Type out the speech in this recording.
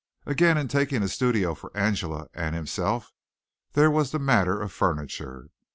Again, in taking a studio for Angela and himself there was the matter of furniture.